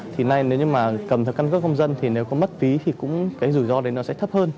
thì nay nếu như mà cầm theo căn cước công dân thì nếu có mất phí thì cũng cái rủi ro đấy nó sẽ thấp hơn